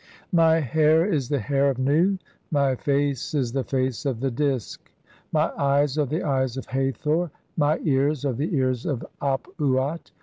"My hair is the hair of Nu. My face is the face of the Disk. "My eves are the eyes of (6) Hathor. My ears are the ears of "Ap uat.